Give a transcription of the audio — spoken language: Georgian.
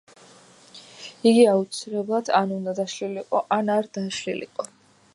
იგი აუცილებლად ან უნდა დაშლილიყო, ან არ დაშლილიყო.